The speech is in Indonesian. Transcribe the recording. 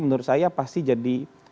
menurut saya pasti jadi